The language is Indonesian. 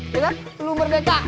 ya kan lu merdeka